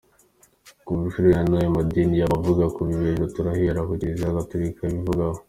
Ku birebana n’icyo amadini yaba avuga ku bivejuru, turahera kucyo Kiliziya Gaturika ibivugaho.